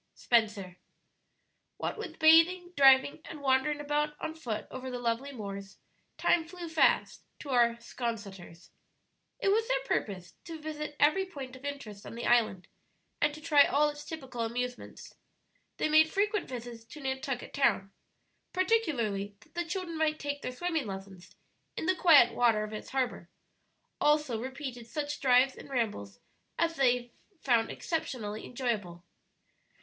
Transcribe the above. Spenser. What with bathing, driving, and wandering about on foot over the lovely moors, time flew fast to our 'Sconseters. It was their purpose to visit every point of interest on the island, and to try all its typical amusements. They made frequent visits to Nantucket Town, particularly that the children might take their swimming lessons in the quiet water of its harbor; also repeated such drives and rambles as they found exceptionably enjoyable.